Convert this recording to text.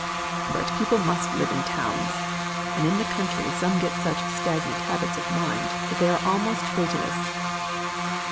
"But people must live in towns. And in the country some get such stagnant habits of mind that they are almost fatalists."